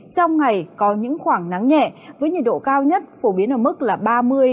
trong ngày có những khoảng nắng nhẹ với nhiệt độ cao nhất phổ biến ở mức lượng